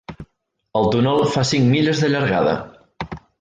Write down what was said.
El túnel fa cinc milles de llargada.